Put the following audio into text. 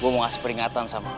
gue mau ngasih peringatan sama